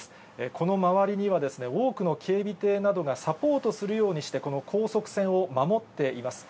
この周りにはですね、多くの警備艇などがサポートするようにして、この高速船を守っています。